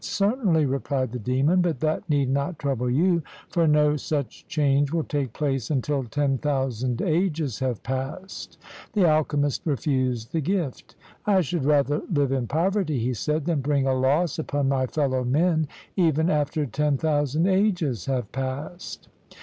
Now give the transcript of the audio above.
"Certainly," replied the demon, "but that need not trouble you, for no such change will take place until ten thousand ages have passed." The alchemist refused the gift. "I should rather live in poverty," he said, "than bring a loss upon my fellow men, even after ten thousand ages have passed."